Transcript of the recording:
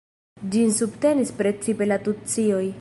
Ĝin subtenis precipe la tucioj.